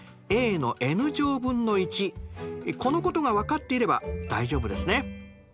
このことが分かっていれば大丈夫ですね。